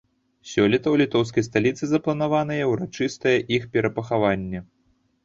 Сёлета ў літоўскай сталіцы запланаванае ўрачыстае іх перапахаванне.